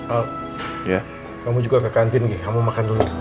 al kamu juga ke kantin kamu makan dulu